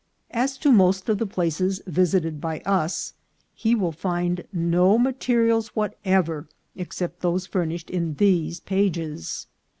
As to most of the places visited by us, he will find no materials whatever except those furnished in these pages.